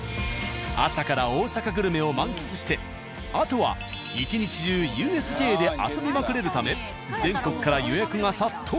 朝から大阪グルメを満喫してあとは１日中ＵＳＪで遊びまくれるため全国から予約が殺到！